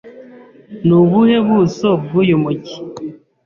Ni ubuhe buso bw'uyu mujyi?